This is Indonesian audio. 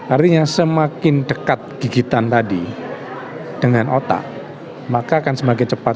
artinya semakin dekat gigitan tadi dengan otak maka akan semakin cepat